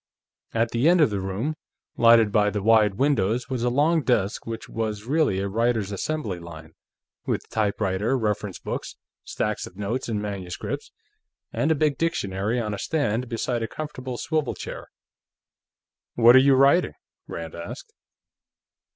At the end of the room, lighted by the wide windows, was a long desk which was really a writer's assembly line, with typewriter, reference books, stacks of notes and manuscripts, and a big dictionary on a stand beside a comfortable swivel chair. "What are you writing?" Rand asked.